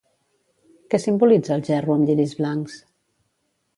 Què simbolitza el gerro amb lliris blancs?